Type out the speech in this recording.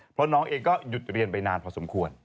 เพราะน้องเองก็หยุดเรียนไปนานพอสมควร